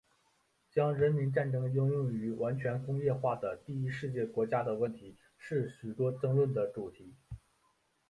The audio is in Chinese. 将人民战争应用于完全工业化的第一世界国家的问题是许多争论的主题。